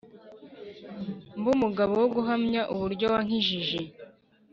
Mbe umugabo wo guhamya uburyo wankijije